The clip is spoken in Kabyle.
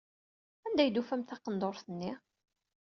Anda ay d-tufamt taqendurt-nni?